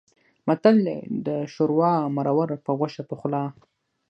متل دی: د شوروا مرور په غوښه پخلا.